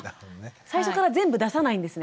最初から全部出さないんですね。